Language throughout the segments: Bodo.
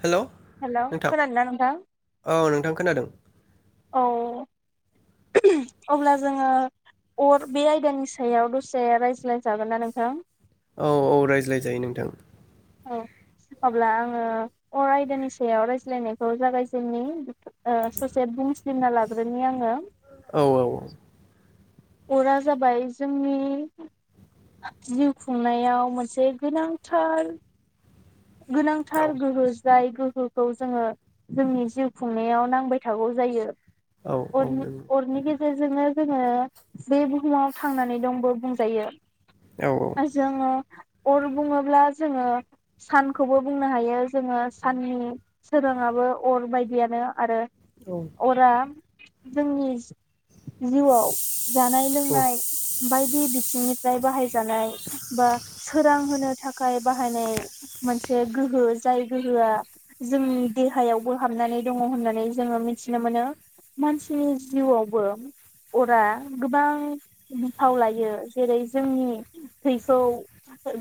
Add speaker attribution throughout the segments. Speaker 1: हेल'
Speaker 2: हेलौ
Speaker 1: नोंथां
Speaker 2: खोनादोंना नोंथां
Speaker 1: औ नोंथां खोनादों ।
Speaker 2: औ अब्ला जोङो अर बे आयदानि सायाव दसे रायज्लायजागोन ना नोंथां
Speaker 1: औ औ रायज्लायजायो नोंथां
Speaker 2: औ अब्ला आङो अर आयदानि सायाव रायज्लायनायखौ जागायजेननि आ ससेे बुंस सिमना लाग्रोनि आङो
Speaker 1: औ औ औ
Speaker 2: अरा जाबाय जोंनि जिउ खुंनायाव मोनसे गोनांथार
Speaker 1: औ
Speaker 2: गोनांथार गोहो जाय गो फोरखौ जोङो जोंनि जिउ खुंनायाव नांबाय थागौ जायो
Speaker 1: औ औ
Speaker 2: अरनि
Speaker 1: नों
Speaker 2: अरनि गे गेरजोंनो जोङो बे बुहुमाव थांनानै दंबो बुंजायो
Speaker 1: औ
Speaker 2: आजोङो अर बुङोब्ला जोङो सानखौबो बुंनो हायो जोङो साननि सोराङाबो अर बायदियानो आरो
Speaker 1: औ
Speaker 2: अरा जोंनि सि जिउआव जानाय लोंनाय बायदि बिथिंनिफ्राय बाहायजानाय बा सोरां होनो थाखाय बाहायनाय
Speaker 1: [inaudible]
Speaker 2: मोनसे गोहो जाय गोहोआ जोंनि देहायावबो हाबनानै दङ होननानै जोङो मिथिनो मोनो मानसिनि जिउआवबो अरा गोबां बिफाव लायो जेरै जोंनि थैखौ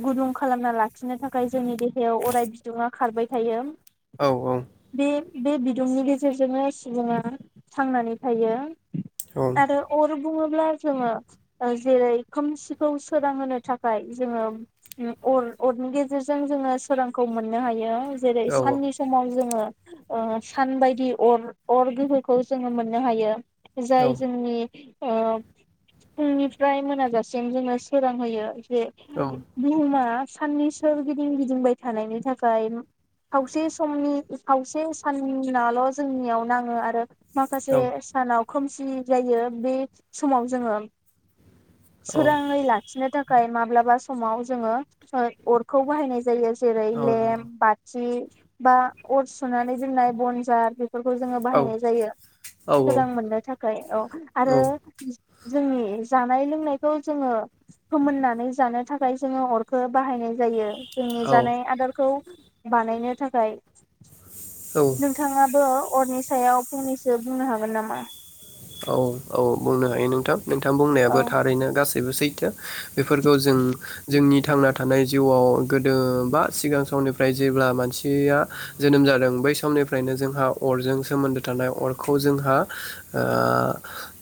Speaker 2: गुदुं खालामना लाखिनो थाखाय थाखाय जोंनि देहायाव अराय बिदुङा खारबाय थायो
Speaker 1: औ औ
Speaker 2: बे बे बिदुंनि गेजेरजोंनो सुबुङा थांनानै थायो
Speaker 1: औ
Speaker 2: आरो अर बुङोब्ला जोङो आ जेरै खोमसिखौ सोरांहोनो थाखाय जोङो उम अर-अरनि गेजेर जेरजों जोङो सोरांखौ मोननो हायो जेरै साननि समाव जोङो आ सान बायदि अर अर गोहोखौ जोङो मोननो हायो जाय जोंनि आ फुंनिफ्राय मोनाजासिम जोंनो सोरांहोयो बे बुहुमा साननि सोर गिदिं गिदिंबाय थानायनि थाखाय खावसे समनि खावसे साननाल' जोंनियाव नाङो आरो माखासे
Speaker 1: औ
Speaker 2: सानाव खोमसि सि जायो बे समाव जोङो
Speaker 1: औ
Speaker 2: सोराङै लाखिनो थाखाय खाय माब्लाबा समाव जोङो ओ अर खौ बाहायनाय जायो। जेरै
Speaker 1: औ
Speaker 2: लेम
Speaker 1: नंगौ
Speaker 2: बाथि‌‌ बा अर सुनानै जोंनाय बनजार फोरखौ जोङो
Speaker 1: औ औ
Speaker 2: बाहायनाय जायो
Speaker 1: औ
Speaker 2: सोरां मोननो थाखाय औ आरो जोंनि जानाय लोंनायखौ जोङो फोमोननानै जानो थाखाय जोङो अरखो बाहायनाय जायो। जोंनि
Speaker 1: औ
Speaker 2: जानाय आदारखौ बानायनो थाखाय
Speaker 1: औ
Speaker 2: नोंथाङाबो अरनि सायाव फंनैसो बुंनो हागोन नामा
Speaker 1: औ औ बुंनो हायो नोंथां नोंथां
Speaker 2: औ
Speaker 1: बुंनायाबो थारैनो गासैबो सै बेफोरखौ जों जोंनि थांना थानाय जिउआव गोदो बा सिगां समनिफ्राय जेब्ला मानसिया जोनोम जादों बै समनिफ्रायनो जोंहा अरजों सोमोन्दो थानाय अरखौ जोंहा ओ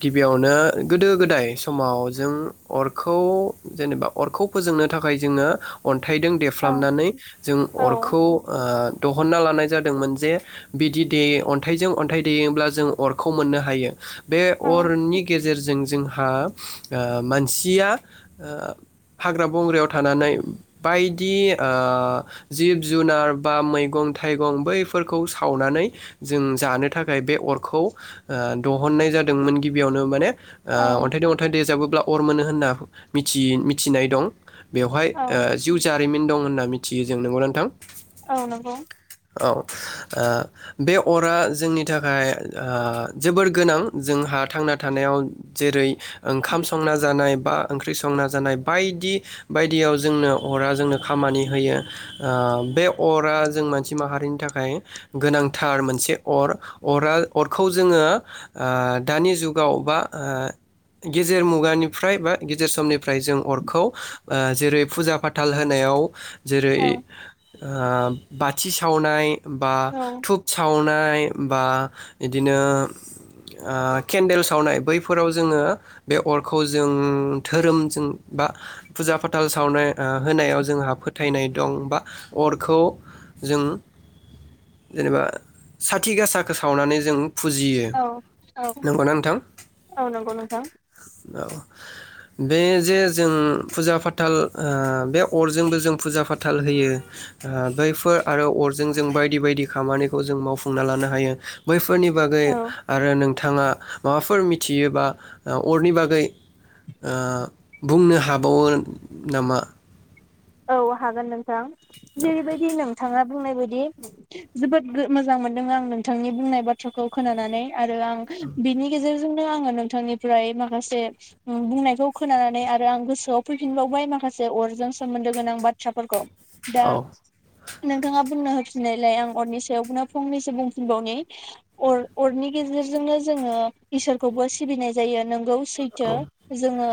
Speaker 1: गिबियावनो गोदो गोदाय समाव जों अरखौ जेनेबा अरखौ फोजोंनो थाखाय जोङो अन थाइदों
Speaker 2: औ
Speaker 1: देफ्रामनानै जों
Speaker 2: औ
Speaker 1: अरखौ ओ दहन्ना लानाय जादोंमोन जे बिदि दे अन्थाइजों अन्थाइ देयोब्ला जों अरखौ मोननो हा हायो । बे
Speaker 2: औ
Speaker 1: अरनि गेजेर गेजेरजों जोंहा ओ मानसिया ओ हाग्रा बंग्रायाव थानानै बायदि ओ जिब जुनार बा मैगं थाइगं बैफोरखौ सावनानै जों जानो थाखाय बे अरखौ ओ दहननाय जादोंमोन गिबियावनो माने ओ
Speaker 2: औ
Speaker 1: अन्थाइ दो अन्थाइ देजाबो ब्ला अर मोनो होनना मिथियो मिथिनाय दं बेवहाय
Speaker 2: औ
Speaker 1: ओ जिउ जा जारिमिन दं होनना मिथियो जों नोंगौना नोंथां
Speaker 2: औ नंगौ
Speaker 1: औ ओ बे अरा जोंनि थाखाय ओ जोबोर गोनां जोंहा थांना थानायाव जेरै ओंखाम संना जानाय बा ओंख्रि संना जानाय बायदि बायदियाव जोंनो अरा जोंनो खामानि होयो ओ बे अरा जों मानसि माहारिनि थाखाय गोनांथार मोनसे अर अरा अरखौ जोङो ओ दानि जुगाव बा गेजेर मुगानिफ्राय बा गेजेर समनिफ्राय जों अरखौ जेरै फुजा फाथाल होनायाव जेरै
Speaker 2: औ
Speaker 1: ओ बाथि सावनाय बा
Speaker 2: औ
Speaker 1: धुप सावनाय। बा बिदिनो ओ केन्देल सावनाय बैफोराव जोङो बे अरखौ जों धोरोमजों, बा फुजा-फाथाल सावनाय ओ होनायाव, जोंहा फोथायनाय दं बा अरखौ जों जेनेबा साथि गासा सावनानै जों फुजियो
Speaker 2: औ औ
Speaker 1: नंगौना नोंथां
Speaker 2: औ नंगौ नोंथां।
Speaker 1: औ, बे जे जों फुजा फाथाल ओ बे अरजोंबो जों फुजा-फाथाल होयो ओ बैफोर आरो अरजों जों बायदि बायदि खामानिखौ जों मावफुंना लानो हायो बैफोर फोरनि बागै
Speaker 2: औ
Speaker 1: आरो नो बिथाङा माबाफोर मिथियोबा अरनि बागै ओ बुंनो हाबावो नामा?
Speaker 2: औ हागोन नोंथां। जेरैबायदि नोंथाङा बुंनाय बायदि जोबोद मोजां मोनदों आं नोंथांनि बुंनाय बाथ्राखौ खोनानानै। आरो आं बिनि गेजेर आङो नोंथांनिफ्राय माखासे ओ बुंनायखौ खोनानानै आरो आं गोसोआव फैफिनबावबाय माखासे अजों सोमोन्दो गोनां बाथ्राफोरखौ दा
Speaker 1: औ
Speaker 2: नोंथाङा बुंनो होफिननायलाय आं अरनि सायावनो फंनैसो बुंफिनबावनि अ-अरनि गेजेरजोंनो जोङो इसोरखौबो सिबिनाय जायो नोंगौ। सैथो
Speaker 1: औ औ
Speaker 2: जोङो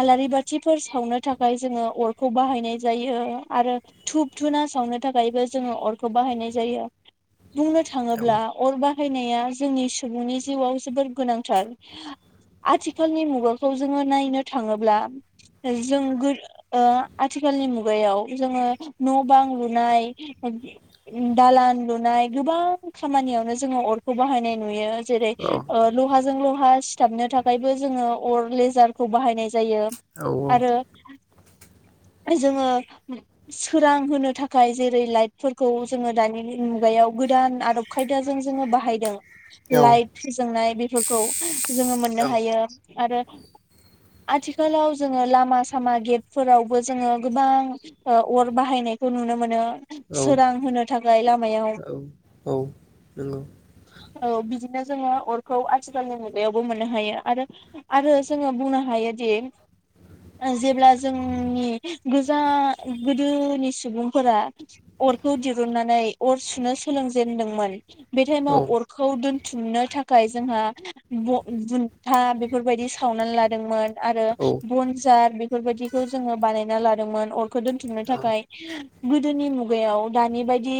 Speaker 2: आलारि बाथिफोर सावनो थाखाय जोङो अर खौ बाहायनाय जायो आरो धुुप धुना सावनो थाखायबो जोङो अरखौ बाहायनाय जायो। बुंनो
Speaker 1: औ
Speaker 2: थाङोब्ला अरबा फैनाया जोंनि सुबुंनि जिउआव जोबोर गोनांथार आथिखालनि मुगाखौ जोङो नायनो थाङोब्ला जों गो ओ आथिखालनि मुगायाव जोङो न'-बां लुनाय, दालान लुनाय गोबां खामानियावनो जोङो अरखौ बाहायनाय नुयो। जेरै
Speaker 1: औ
Speaker 2: लहाजों ल सिथाबनो थाखायबो जोङो अर लेजारखौ बाहायनाय जा जायो
Speaker 1: औ
Speaker 2: आरो जोङो सोरां होनो थाखाय जेरै लाइटफोरखौ जोङो दानि मुगायाव गोदान आदब खायदाजों जोङो बाहायदों। लाइट फोजोंनाय बे [unintelligible] जोङो मोननो हायो आरो आथिखालाव जोङो लामा सामा गेटफोराव बो जोङो गोबां ओ अर बाहायनायखौ नुनो मोनो।
Speaker 1: औ
Speaker 2: सोरां होनो थाखाय लामायाव औ नो जोङो अरखौ आथिखालनि मुगायावबो मोननो हायो आरो आरो जोङो बुंनो हायोदि जेब्ला जों नि गोजा गोदोनि सुबुंफोरा अरखौ दिरुुननानै अर सुनो सोलोंजेेनदोंमोन। बे टाइमाव अरखौ दोन बुथुमनो थाखाय जोंहा ब-बुन्था बेफोरबायदि सावनानै लादोंमोन। आरो बनजार। बेफोरबादि। बेखौ जोङो बानायना लादोंमोन उम। खो दोनथुमनो थाखाय। गोदोनि मुगायाव दानि बायदि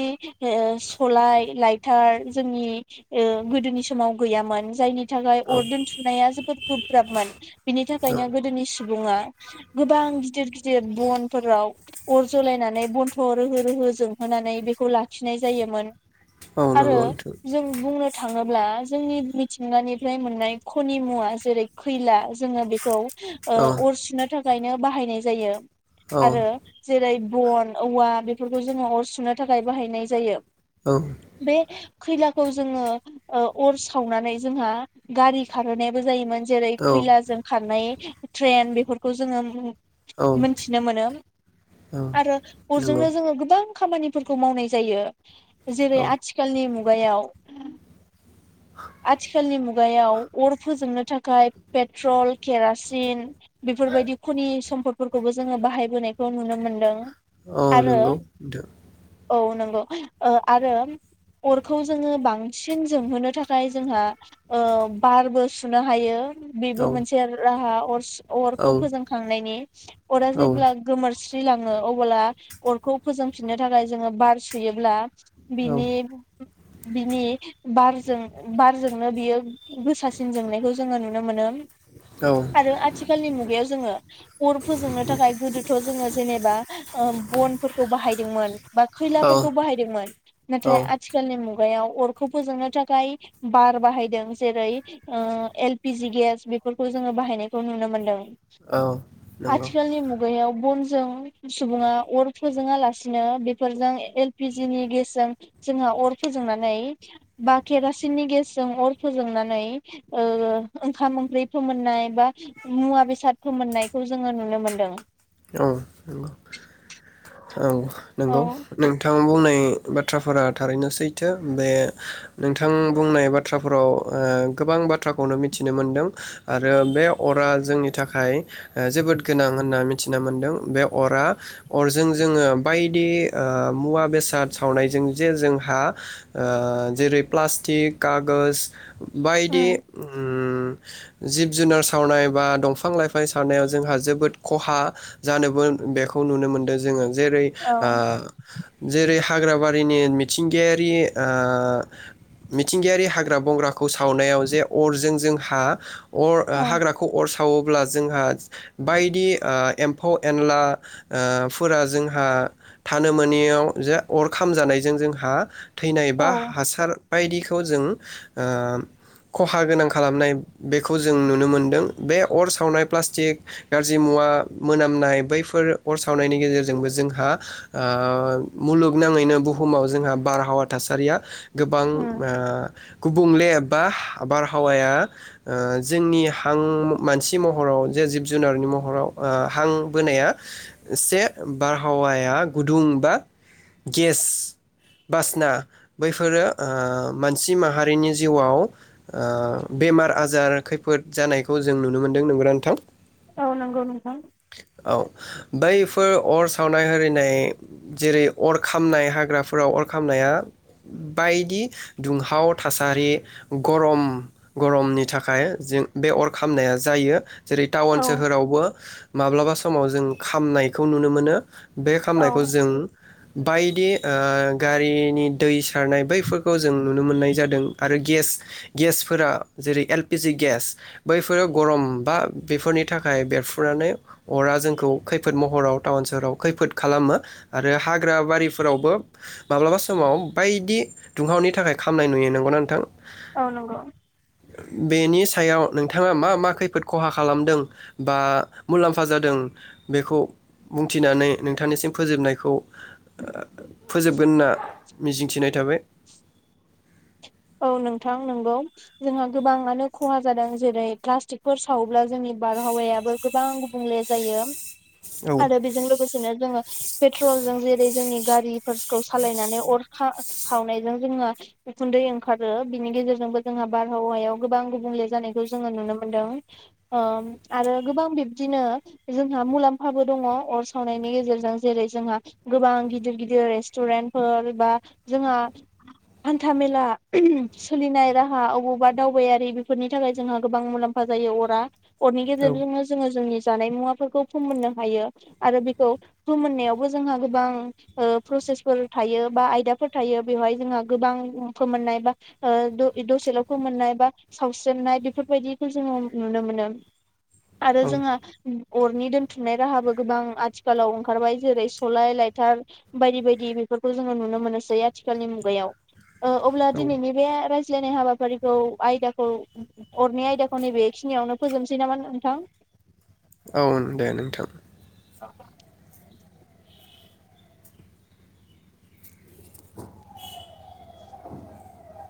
Speaker 2: सलाय लाइटार जोंनि ओ गोदोनि समाव गैयामोन जायनि थाखाय
Speaker 1: औ
Speaker 2: अर दोनथुमनाया जोबोद गोब्राबमोन बिनि थाखायनो
Speaker 1: औ
Speaker 2: गोदोनि सुबुङा गोबां गिदिर गिदिर बनफोराव। अर जलायनानै बन्थ' रोहो रोहो जोंहोनानै बेखौ लाखिनाय जायोमोन।
Speaker 1: औ नंगौ औ
Speaker 2: आरो
Speaker 1: नंगौ नोंथां
Speaker 2: जों बुंनो थाङो अब्ला जोंनि मिथिंगानिफ्राय मोननाय खनि मुवा जेरै खैला जोङो बेखौ ओ अर सुनो थाखाय। [unintelligible] बाहायनाय जायो
Speaker 1: औ
Speaker 2: आरो
Speaker 1: औ
Speaker 2: जेरै बन औवा बेफोरखौ जोङो अर सुनो थाखाय बाहायनाय जायो।
Speaker 1: औ
Speaker 2: बे खैलाखौ जोङो ओ अर सावनानै जोंहा गारि खारहोनायाबो जायोमोन। जेरै
Speaker 1: औ
Speaker 2: खैलाजों खारनाय ट्रेन बेफोर खौ जोङो
Speaker 1: औ
Speaker 2: मोनथिनो मोनो
Speaker 1: औ
Speaker 2: आरो
Speaker 1: नंगौ
Speaker 2: अरजोंनो जोङो गोबां खामानिफोरखौ मावनाय जायो। जेरै
Speaker 1: औ
Speaker 2: आथिखालनि मुगायाव । आथिखालनि मुगायाव अर फोजोंनो थाखाय पेट्रल खेरासिन बेफोरबायदि खनि सम्पद फोरखौबो जोङो बाहायबोनायखौ नुनो मोन्दों।
Speaker 1: औ नंगौ दो
Speaker 2: औ नंगौ ओ आरो अरखौ जोङो बांसिन जोंहोनो थाख फ्राय जोंहा ओ बारबो सुनो हायो। बिबो मोनसे राहा। खस
Speaker 1: औ
Speaker 2: अरखौ फोजोंखांनायनि अरा
Speaker 1: औ
Speaker 2: जेब्ला गोमोर थैलाङो अब्ला अरखौ फोजोंफिननो थाखाय जोङो बार सुयोब्ला बिनि बिनि बारजों। बारजोंनो बियो गोसासिन जोंनायखौ जोंङो नुनो मोनो। [unintelligible]
Speaker 1: औ
Speaker 2: आरो आथिखालनि मुगायाव जोंङो अर फोजोंनो थाखाय गोदोथ जोंङो जेनेबा बनफोरखौ बाहायदोंमोन बा खैलाफोरखौ
Speaker 1: औ
Speaker 2: बाहायदोंमोन
Speaker 1: औ
Speaker 2: नाथाय आथिखालनि मुगायाव खुगायाव अरखौ फोजोंनो थाखाय बार बाहायदों जेरै एलपि जि गेस बेफोरखौ जोंङो बाहायनायखौ नुनो मोनदों।
Speaker 1: नंगौ
Speaker 2: आथिखालनि मुगायाव बनजों सुबुङा अर फोजोंङा लासिनो बेफोरजों एलपिजिनि गेसजों जोंहा अर फोजोंनानै बा केरा सिनि गेसजों अर फोजोंनानै ओ ओंखाम ओंख्रि फोमोननाय बा मुवा बेसाद फोमोननायखौ जोंङो नुनो मोनदों।
Speaker 1: औ औ औ।
Speaker 2: औ
Speaker 1: नंगौ नोंथाङा बुंनाय बाथ्राफोरा थारैनो सैथो बे नोंथां बुंनाय बाथ्राफोराव गोबां बाथ्राखौनो मिथिनो मोनदों आरो बे अरा जोंनि थाखाय जोबोद गोनां होनना मिथि मिथिना मोन्दों बे अरा अरजों जोंङो बायदि मुवा बेसाद सावनायजों जे जोंहा ओ जेरै प्लास्टिक कागज बायदि
Speaker 2: उम
Speaker 1: उज्ञ जिब जुनार सावनाय बा दंफां लाइफां सावनायाव जोंहा जोबोद खहा जानोबो बेखौ नुनो मोनदों जोंङो जेरै आ जेरै हाग्राबारिनि मिथिंगायारि आ मिथिंगायारि हाग हेंग्रा बंग्राखौ सावनायाव जे अरजों जों हा अ
Speaker 2: औ
Speaker 1: हाग्राखौ अर थावोब्ला जोंहा बायदि आ एम्फौ एनला ओ फोरा जोंहा थानो मोनियावयाव जे अर खामजानायजों जोंहा थैनाय बा हासार। बायदिखौ जों ओ खहा गोनां खालामनाय बेखौ जों नुनो मोनदों बे अर सावनाय प्लास्टिक गाज्रि मुवा मोनामनाय बैफोर अर सावनायनि गेजेरजोंबो जोंहा मुलुगनाङैनो बुहुमाव जोंहा बारहावा थासारिया गोबां
Speaker 2: उम
Speaker 1: ओ गुबुंले एबा बारहावाया ओ जोंनि हां मानसि महराव जे जिब जुनारनि महराव हां बोनाया से बारहावाया गुदुं बा गेस बासना बैफोरो मानसि माहारिनि जिउआव बेमार आजार खैफोद जानायखौ जों नुनो मोनदों नोंगौना नोंथां?
Speaker 2: औ नांगौ।
Speaker 1: औ बैफोर अर सावनाय हिनाय जेरै अर खामनाय हाग्राफोराव अर खामनाया बायदि दुंहाव थासारि गरम गरमनि थाखाय जों बे अर खामनाया जायो जेरै टाउन
Speaker 2: औ
Speaker 1: सोहोरावबो माब्लाबा समाव जों खामनायखौ नुनो मोनो बे खालामामनायखौ
Speaker 2: औ
Speaker 1: जों बायदि ओ गारिनि दै सारनाय बैफोरखौ जों नुनो मोननाय जादों आरो गेस गेसफोरा जेरै एल पि जि गेस बैफोर गरम बा बेफोरनि थाखाय बेरफ फुनानै अरा जोंखौ खैफोद महराव टाउन सोहराव खैफोद खालामो आरो हाग्रा बारिफोरावबो माब्लाबा समाव बायदि दुंहावनि थाखाय खामनाय नुयो, नंगौना नोंथां?
Speaker 2: औ नंगौ।
Speaker 1: बेनि सायाव नोंथाङा मा मा खैफोद खहा खालामदों बा मुलाम्फा जादों बेखौ बुंथिनानै नोंथांनिसिम फोजोबनायखौ ओ फोजोबगोन ना? मिजिंथिनाय थाबाय।
Speaker 2: औ नोंथां नंगौ जोंहा गोबाङानो खहा जादों जेरै प्लास्टिकफोर सावोब्ला जोंनि बारहावायाबो गोबां गुबुंले जायो।
Speaker 1: औ
Speaker 2: आरो बेजों लोगोसेनो जोङो पेट्रल जों जेरै जोंनि गारिफोरखौ सालायनानै अरखा सावनायजों जोंङो उखुन्दै ओं खारो बिनि गेजेरजोंबो जोंहा बारहावायाव गोबां गुबुंले जानायखौ जोङो नुनो मोनदों ओ आरो गोबां बिब्दिनो जोंहा मुलाम्फाबो दङ अर सावनायनि गेजेरजों जेरै जोंहा गोबां गिदिर गिदिर रेस्टुरेन्टफोर बा जोंहा हान्था मेला सोलिनाय राहा अबावबा दावबायारि बेफोरनि थाखाय जोंहा गोबां मुलाम्फा जायो अरा। अरनि
Speaker 1: औ
Speaker 2: गेजेरजोंनो जोङो जोंनि जानाय मुवाफोरखौ फोमोननो हायो आरो बेखौ फोमोननायावबो जोंहा गोबां प्रसेसफोर थायो बा आयदाफोर थायो बेवहाय जोंहा गोबां फोमोननाय बा ओ द-दसेल' फोमोननाय बा सावस्रेमनाय बेफोरबायदिखौ जोङो नुनो मोनो। आरो
Speaker 1: औ
Speaker 2: जोङो अरनि दोनथुमनाय राहाबो गोबां आथिखालाव ओंखारबाय जेरै सलाय लाइथार बायदि बायदि बेफोरखौ जोङो नुनो मोननोसै आथिखालनि मुगायाव ओ अब्ला दिनैनि
Speaker 1: औ
Speaker 2: बे राय ज्लायनाय हाबाफारिखौ आयदाखौ अरनि आयदाखौ नैबेखिनियावनो फोजोबनोसै नामा नोंथां?
Speaker 1: औ दे नोंथां।
Speaker 2: औ